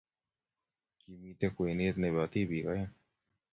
Kimito kwenet ne bo tibiik oeng.